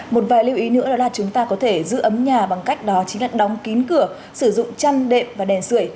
một vài lưu ý nữa đó là chúng ta có thể giữ ấm nhà bằng cách đó chính là đóng kín cửa sử dụng chăn đệm và đèn sửa